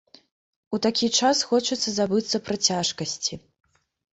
У такі час хочацца забыцца пра цяжкасці.